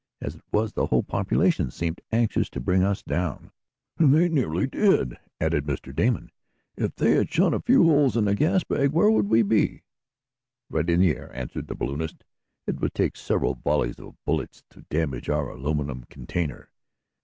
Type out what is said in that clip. As it was, the whole population seemed anxious to bring us down." "And they nearly did," added Mr. Damon. "If they had shot a few holes in the gas bag where would we be?" "Right in the air," answered the balloonist. "It would take several volleys of bullets to damage our aluminum container.